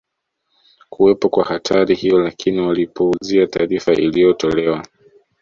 kuwepo kwa hatari hiyo lakini walipuuzia taarifa iliyotolewa